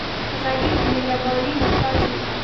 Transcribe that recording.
غریب د مهربانۍ محتاج وي